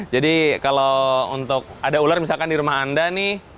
jadi kalau untuk ada ular misalkan di rumah anda nih